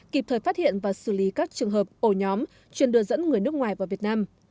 kịp thời phát hiện và xử lý các trường hợp ổ nhóm chuyên đưa dẫn người nước ngoài vào việt nam